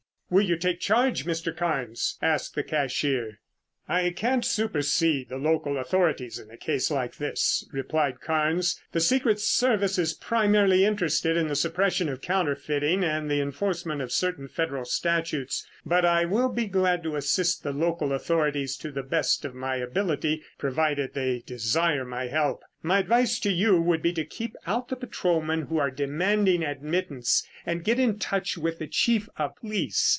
"Will you take charge, Mr. Carnes?" asked the cashier. "I can't supersede the local authorities in a case like this," replied Carnes. "The secret service is primarily interested in the suppression of counterfeiting and the enforcement of certain federal statutes, but I will be glad to assist the local authorities to the best of my ability, provided they desire my help. My advice to you would be to keep out the patrolmen who are demanding admittance and get in touch with the chief of police.